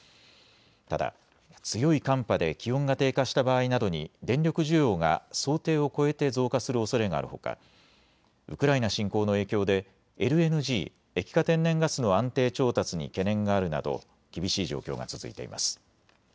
ただ、強い寒波で気温が低下した場合などに電力需要が想定を超えて増加するおそれがあるほかウクライナ侵攻の影響でＬＮＧ・液化天然ガスの安定調達に懸念があるなど厳しい状況が続いています。